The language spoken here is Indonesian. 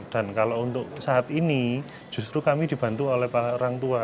dan kalau untuk saat ini justru kami dibantu oleh orang tua